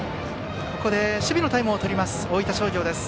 ここで守備のタイムをとります大分商業。